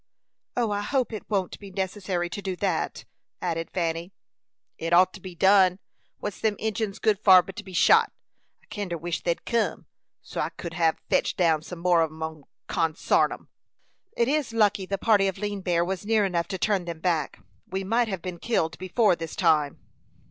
"I hope it won't be necessary to do that," added Fanny. "It ought to be did. What's them Injins good for but to be shot? I kinder wish they'd kim, so I could have fetched down some more on 'em, consarn 'em!" "It is lucky the party of Lean Bear was near enough to turn them back. We might have been killed before this time."